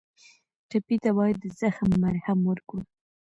ټپي ته باید د زخم مرهم ورکړو.